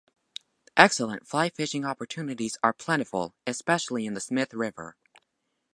Excellent fly fishing opportunities are plentiful, especially in the Smith River.